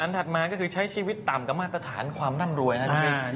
อันถัดมาก็คือใช้ชีวิตต่ำกับมาตรฐานความร่ำรวยฮะพี่ฟิก